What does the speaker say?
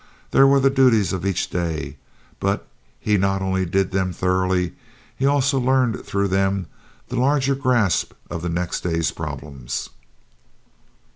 They were the duties of each day, but he not only did them thoroughly, he also learned through them the larger grasp of the next day's problems.